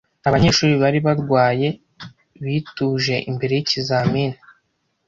Abanyeshuri bari barwaye bituje mbere yikizamini.